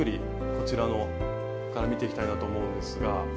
こちらから見ていきたいなと思うんですが。